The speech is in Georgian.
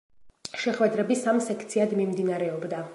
შეხვედრები სამ სექციად მიმდინარეობდა.